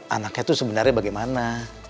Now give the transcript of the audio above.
anaknya tuh sebenarnya bagaimana